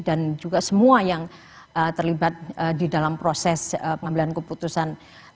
dan juga semua yang terlibat di dalam proses pengambilan keputusan